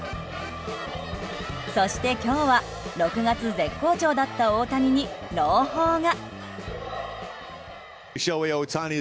そして、今日は６月絶好調だった大谷に朗報が。